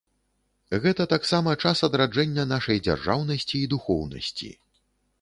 Гэта таксама час адраджэння нашай дзяржаўнасці і духоўнасці.